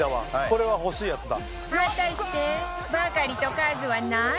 これは欲しいやつだ。